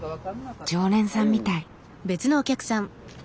常連さんみたい。